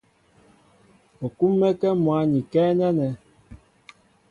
U kúm̀mɛ́kɛ́ mwǎn ikɛ́ nɛ́nɛ.